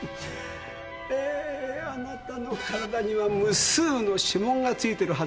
えーあなたの体には無数の指紋が付いてるはずです。